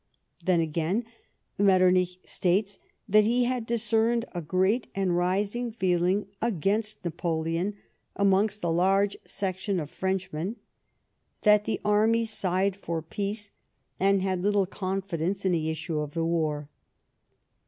Then, again, Metternich states that he had discerned a great and rising feeling against Napoleon amongst a large section of Frenchmen ; that the army sighed for peace, and had little confidence in the issue of the war.